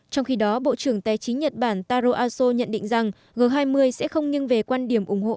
trong khi đó bộ trưởng tài chính nhật bản taro aso nhận định rằng g hai mươi sẽ không nghiêng về quan điểm ủng hộ